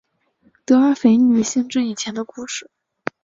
德尔斐女先知以前的故事。